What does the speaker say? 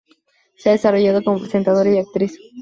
Se ha desarrollado como presentadora y actriz.